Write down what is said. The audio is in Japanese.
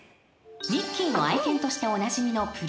［ミッキーの愛犬としておなじみの］